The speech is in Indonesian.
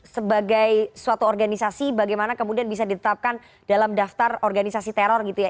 sebagai suatu organisasi bagaimana kemudian bisa ditetapkan dalam daftar organisasi teror gitu ya